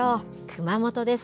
熊本です。